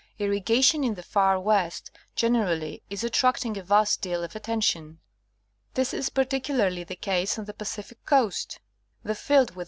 Irrigation in the far west, generally, is attracting a vast deal of attention. This is particularly the case on the Pacific Coast — the field with which VOL.